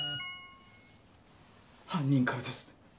犯人からです。